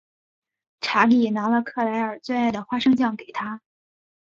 查理拿了克莱尔最爱的花生酱给她。